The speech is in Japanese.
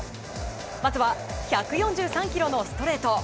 まずは１４３キロのストレート。